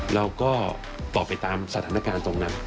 เราก็ตอบไปตามสถานการณ์ตรงนั้น